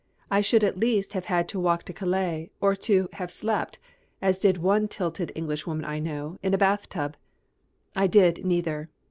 I should at least have had to walk to Calais, or to have slept, as did one titled Englishwoman I know, in a bathtub. I did neither.